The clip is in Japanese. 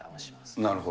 なるほど。